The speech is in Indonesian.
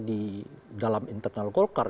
di dalam internal golkar